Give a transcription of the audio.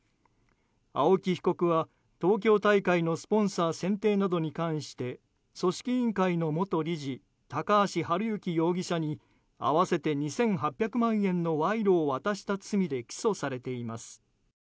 青木被告は東京大会のスポンサー選定などに関して組織委員会の元理事高橋治之容疑者に合わせて２８００万円の賄賂を渡した罪で起訴されています。